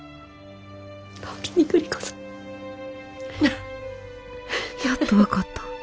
おおきに栗子さん。やっと分かった。